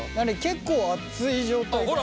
結構熱い状態か？